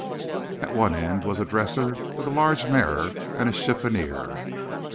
At one end was a dresser with large mirror, and a chiffonier.